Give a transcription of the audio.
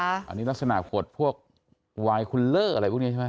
อันนี้ลักษณะขวดพวกวายคุณเลอร์อะไรพวกนี้ใช่ไหม